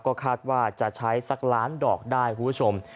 ก็คาดว่าจะใช้๑ล้านดอกได้บริธี